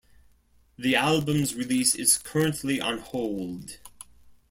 The album's release is currently on hold.